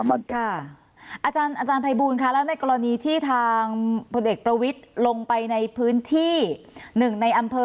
หมดค่ะอาจารย์ภัยบูลค่ะแล้วในกรณีที่ทางพลเอกประวิทย์ลงไปในพื้นที่หนึ่งในอำเภอ